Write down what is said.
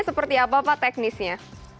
seperti apa pak teknisnya